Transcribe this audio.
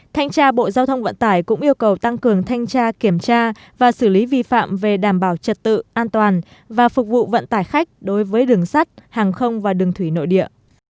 thanh tra bộ giao thông vận tải cũng yêu cầu tăng cường thanh tra kiểm tra và xử lý vi phạm về đảm bảo trật tự an toàn và phục vụ vận tải khách đối với đường sắt hàng không và đường thủy nội địa